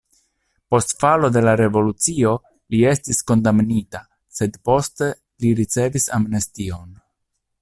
Post falo de la revolucio li estis kondamnita, sed poste li ricevis amnestion.